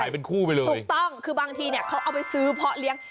ถูกต้องคือบางทีเนี่ยเขาเอาไปซื้อเพาะเลี้ยง